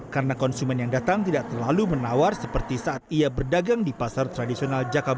karena konsumen yang datang tidak terlalu menawar seperti saat ia berdagang di pasar tradisional jakarta